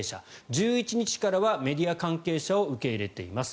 １１日からはメディア関係者を受け入れています。